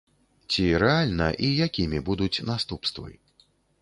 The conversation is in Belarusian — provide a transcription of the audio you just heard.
Ці рэальна і якімі будуць наступствы?